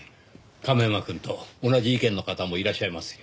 亀山くんと同じ意見の方もいらっしゃいますよ。